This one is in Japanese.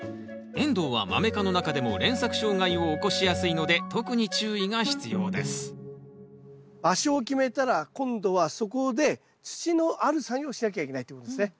エンドウはマメ科の中でも連作障害を起こしやすいので特に注意が必要です場所を決めたら今度はそこで土のある作業をしなきゃいけないってことですね。